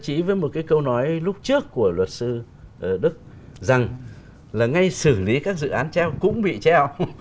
chỉ với một cái câu nói lúc trước của luật sư đức rằng là ngay xử lý các dự án treo cũng bị treo